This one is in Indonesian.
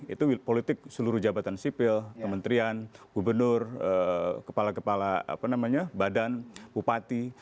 itu politik seluruh jabatan sipil kementerian gubernur kepala kepala badan bupati